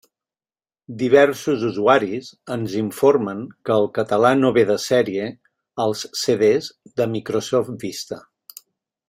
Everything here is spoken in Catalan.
Diversos usuaris ens informen que el català no ve de sèrie als CD de Microsoft Vista.